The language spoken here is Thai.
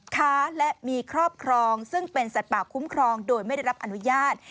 ค้าและมีครอบครองซึ่งเป็นสัตว์ป่าคุ้มครองโดยไม่ได้รับอนุญาต